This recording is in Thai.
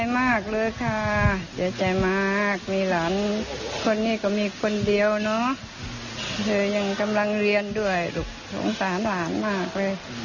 ไม่อยากให้เป็นเลยเธอก็เป็นไปแล้วเธอก็เป็นไปแล้ว